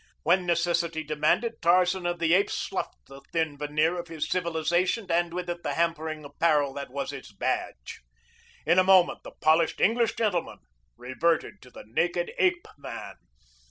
When necessity demanded, Tarzan of the Apes sloughed the thin veneer of his civilization and with it the hampering apparel that was its badge. In a moment the polished English gentleman reverted to the naked ape man.